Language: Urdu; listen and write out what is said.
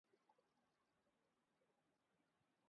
مجھے چڑیا گھر جانا ہے